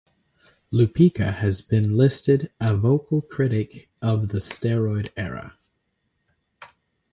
Lupica has been listed a vocal critic of the steroid era.